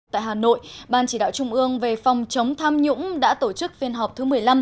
tại hà nội ban chỉ đạo trung ương về phòng chống tham nhũng đã tổ chức phiên họp thứ một mươi năm